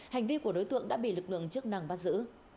hành vi của đối tượng đã bị lực lượng chức năng bắt giữ